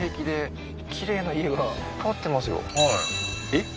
えっ？